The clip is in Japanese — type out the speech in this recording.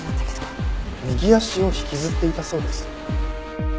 右足を引きずっていたそうです。